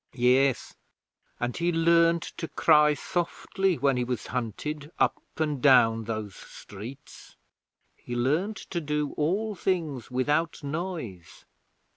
Yes, and he learned to cry softly when he was hunted up and down those streets. He learned to do all things without noise.